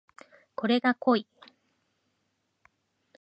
これが濃い